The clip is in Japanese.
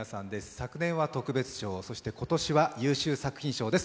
昨年は特別賞、そして今年は優秀作品賞です。